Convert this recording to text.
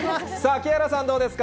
木原さん、どうですか。